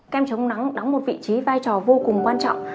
kem chống nắng đóng một vị trí vai trò vô cùng quan trọng